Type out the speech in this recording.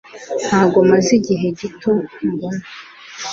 Ntabwo maze igihe gito mbona